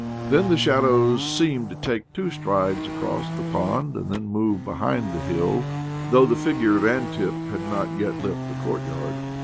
Then the shadows seemed to take two strides across the pond, and then to move behind the hill, thqugh the figure of Antip had not yet left the courtyard.